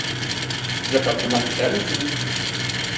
Bize katılmak ister misiniz?